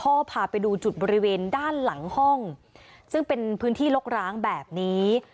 พาไปดูจุดบริเวณด้านหลังห้องซึ่งเป็นพื้นที่รกร้างแบบนี้